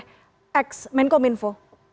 menteri dan jenderal pertama menko minfo